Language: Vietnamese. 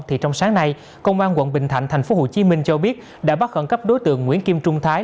thì trong sáng nay công an quận bình thạnh tp hcm cho biết đã bắt khẩn cấp đối tượng nguyễn kim trung thái